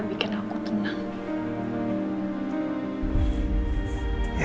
bikin aku tenang